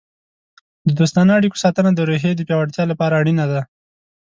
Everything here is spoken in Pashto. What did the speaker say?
د دوستانه اړیکو ساتنه د روحیې د پیاوړتیا لپاره اړینه ده.